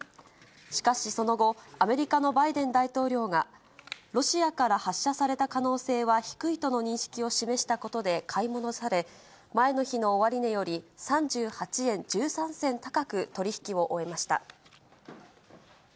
しかしその後、アメリカのバイデン大統領が、ロシアから発射された可能性は低いとの認識を示したことで買い戻され、前の日の終値より、３８円１３銭高く取り引きを終えました。